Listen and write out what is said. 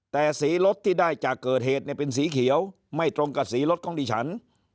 แต่สีรถที่ได้จากเกิดเหตุเนี่ยเป็นสีเขียวไม่ตรงกับสีรถของดิฉัน